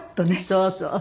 そうそう。